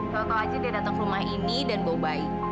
tau tau aja dia datang ke rumah ini dan bawa bayi